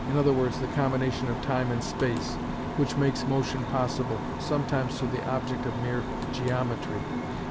_, the combination of time and space, which makes motion possible, sometimes to the object of mere geometry, _i.e.